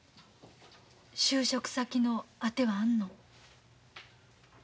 就職先のあてはあるの？